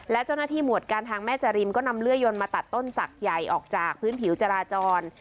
และเจ้าหน้าที่หมวดการทางแม่จริมก็นำเลื่อยยนมาตัดต้นศักดิ์ใหญ่ออกจากพื้นผิวจราจร